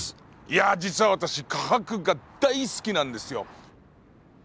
いや実は私科博が大好きなんですよ。